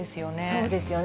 そうですよね。